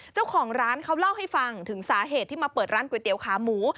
เจ้าของร้านเขาเล่าให้ฟังถึงสาเหตุที่มาเปิดร้านก๋วยเตี๋ยวขาหมู